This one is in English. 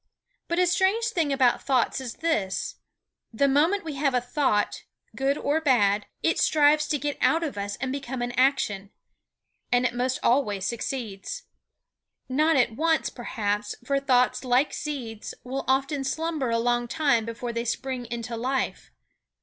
But a strange thing about thought is this: The moment we have a thought, good or bad, it strives to get out of us and become an action. And it most always succeeds. Not at once, perhaps, for thoughts like seeds will often slumber a long time before they spring into life.